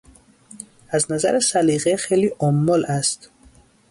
از نظر سلیقه خیلی امل است.